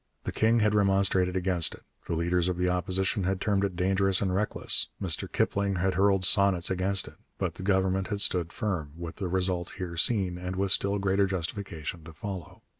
The king had remonstrated against it, the leader of the Opposition had termed it dangerous and reckless, Mr Kipling had hurled sonnets against it. But the Government had stood firm, with the result here seen, and with still greater justification to follow.